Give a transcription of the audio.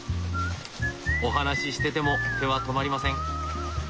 お話ししてても手は止まりません。